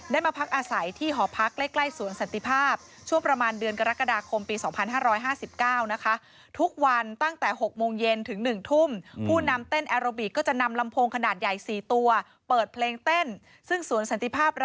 ได้มาพักอาศัยที่หอพักใกล้สวนสันติภาพ